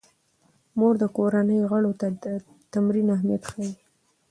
مور د کورنۍ غړو ته د تمرین اهمیت ښيي.